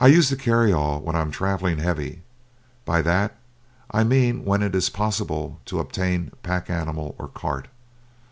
I use the carry all when I am travelling "heavy." By that I mean when it is possible to obtain pack animal or cart.